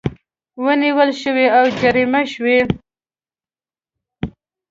ونیول شوې او جریمه شوې